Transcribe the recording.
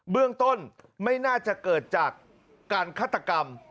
เรื่องต้นไม่น่าจะเกิดจากการฆาตกรรม